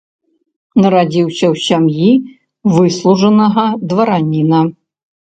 Нарадзіўся ў сям'і выслужанага двараніна.